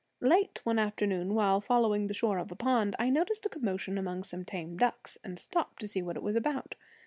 Late one afternoon, while following the shore of a pond, I noticed a commotion among some tame ducks, and stopped to see what it was about.